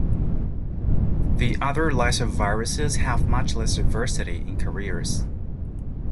The other lyssaviruses have much less diversity in carriers.